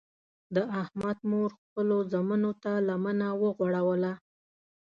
د احمد مور خپلو زمنو ته لمنه وغوړوله.